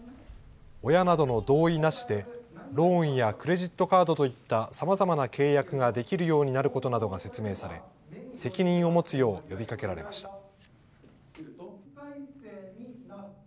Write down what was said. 親などの同意なしで、ローンやクレジットカードといった、さまざまな契約ができるようになることなどが説明され、責任を持つよう呼びかけられました。